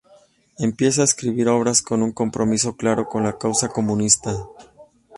Empieza a escribir obras con un compromiso claro con la causa comunista.